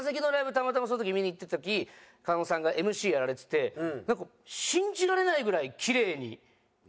たまたまその時見に行った時狩野さんがＭＣやられててなんか信じられないぐらいキレイにＭＣで回してて。